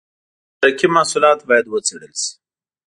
د رقیب محصولات باید وڅېړل شي.